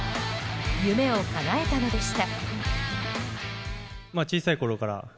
夢をかなえたのでした。